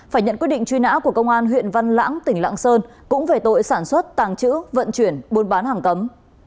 phải nhận quyết định truy nã của công an huyện văn lãng tỉnh lạng sơn cũng về tội sản xuất tàng trữ vận chuyển buôn bán hàng cấm